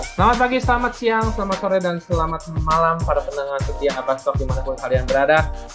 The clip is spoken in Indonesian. selamat pagi selamat siang selamat sore dan selamat malam pada penanganan setiap abasok dimana pun kalian berada